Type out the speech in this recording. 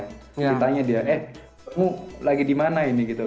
saya tanya dia eh kamu lagi di mana ini gitu kan